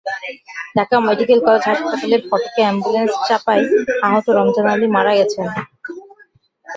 Dhaka medical college হাসপাতালের ফটকে ambulance চাপায় আহত রমজান আলী মারা গেছেন।